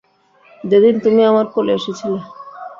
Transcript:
যেদিন তুমি আমার কোলে এসেছিলে।